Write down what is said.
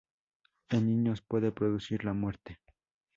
En niños puede producir la muerte.